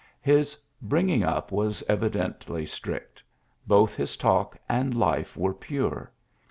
GBANT His bringing up was evidently strict Both his talk and life were pure.